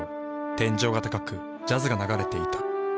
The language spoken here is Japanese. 天井が高くジャズが流れていた。